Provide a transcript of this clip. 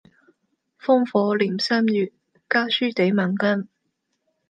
烽火連三月，家書抵萬金。